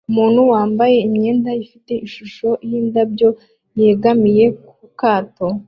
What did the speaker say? Umuntu wambaye imyenda ifite ishusho yindabyo yegamiye ku kato